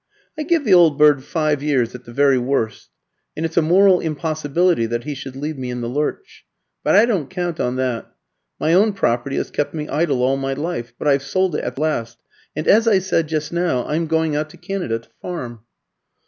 "I give the old bird five years at the very worst, and it's a moral impossibility that he should leave me in the lurch. But I don't count on that. My own property has kept me idle all my life; but I've sold it at last, and, as I said just now, I am going out to Canada to farm."